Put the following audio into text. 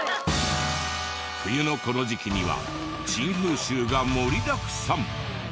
冬のこの時期には珍風習が盛りだくさん。